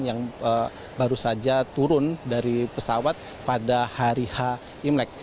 yang baru saja turun dari pesawat pada hariha imlek